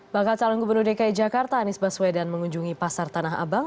bakal calon gubernur dki jakarta anies baswedan mengunjungi pasar tanah abang